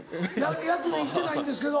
役で行ってないんですけど。